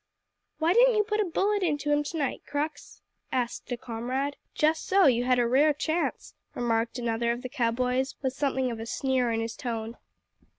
"Why didn't you put a bullet into him to night, Crux?" asked a comrade. "Just so you had a rare chance," remarked another of the cow boys, with something of a sneer in his tone.